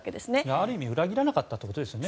ある意味裏切らなかったということですよね。